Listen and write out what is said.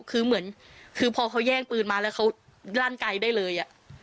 คือเหมือนคือพอเขาแย่งปืนมาแล้วเขาลั่นไกลได้เลย